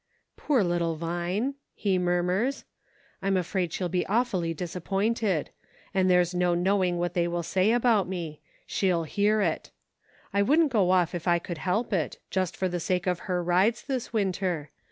" Poor little Vine !" he murmurs. " I'm afraid she'll be awfully disappointed ; and there's no knowing what they will say about me ; she'll hear it. I wouldn't go if I could help it, just for the sake of her rides this winter.